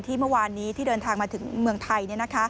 เมื่อวานนี้ที่เดินทางมาถึงเมืองไทย